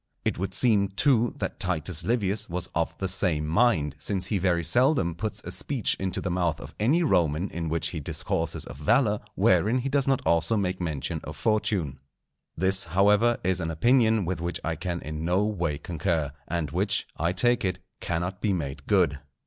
It would seem, too, that Titus Livius was of the same mind, since he very seldom puts a speech into the mouth of any Roman in which he discourses of valour, wherein he does not also make mention of Fortune. This, however, is an opinion with which I can in no way concur, and which, I take it, cannot be made good.